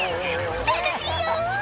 「楽しいよ！」